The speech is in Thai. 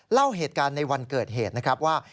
เล่าเหตุการณ์ในวันเกิดเหตุนะครับว่า